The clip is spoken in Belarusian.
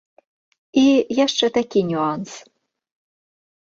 І яшчэ такі нюанс.